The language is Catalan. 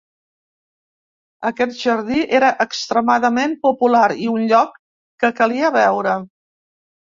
Aquest jardí era extremadament popular i un lloc que calia veure.